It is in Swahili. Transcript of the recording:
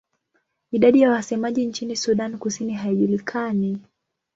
Idadi ya wasemaji nchini Sudan Kusini haijulikani.